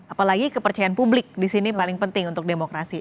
apalagi kepercayaan publik di sini paling penting untuk demokrasi